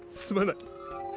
すまない！